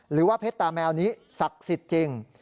หรือว่าเพชรตาแมวนี้ศักดิ์สิทธิ์จริง